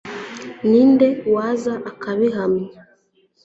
ninde waza akabihamya